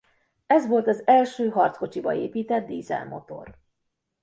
Ez volt az első harckocsiba épített dízelmotor.